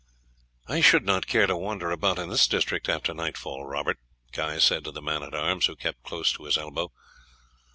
"I should not care to wander about in this district after nightfall, Robert," Guy said to the man at arms, who kept close to his elbow.